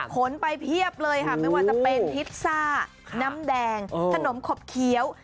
คนไปเพียบเลยค่ะไม่ว่าจะเป็นพิซซ่าน้ำแดงขนมขบเคี้ยว